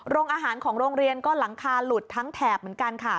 โรงอาหารของโรงเรียนก็หลังคาหลุดทั้งแถบเหมือนกันค่ะ